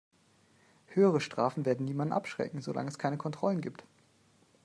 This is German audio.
Höhere Strafen werden niemanden abschrecken, solange es keine Kontrollen gibt.